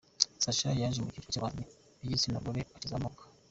Sacha yaje mu cyiciro cy’abahanzi b’igitsina gore bakizamuka.